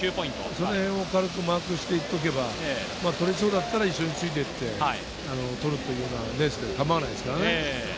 そのへんを軽くマークしていっておけば、取れそうだったら一緒についていって取るというのは、レースで構